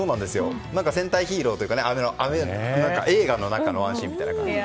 戦隊ヒーローというか映画の中のワンシーンみたいな感じで。